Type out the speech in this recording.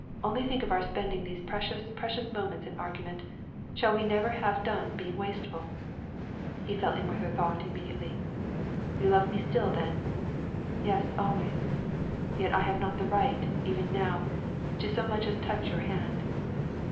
Only think of our spending these precious, precious moments in argument! Shall we never have done being wasteful!' He fell in with her thought immediately. 'You love me still, then.' 'Yes, always.' 'Yet I have not the right, even now, to so much as touch your hand.'